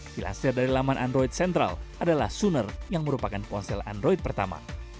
dilansir dari laman android sentral adalah sunner yang merupakan ponsel android pertama